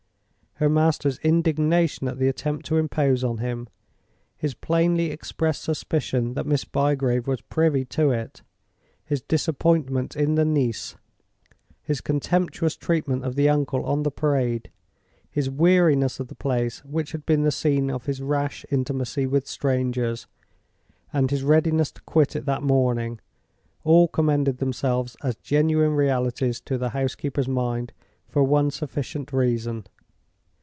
Her master's indignation at the attempt to impose on him; his plainly expressed suspicion that Miss Bygrave was privy to it; his disappointment in the niece; his contemptuous treatment of the uncle on the Parade; his weariness of the place which had been the scene of his rash intimacy with strangers, and his readiness to quit it that morning, all commended themselves as genuine realities to the housekeeper's mind, for one sufficient reason.